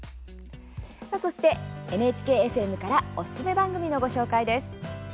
そしてＮＨＫ−ＦＭからおすすめ番組のご紹介です。